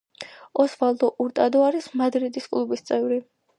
ოსვალდო ურტადო არის მადრიდის კლუბის წევრი.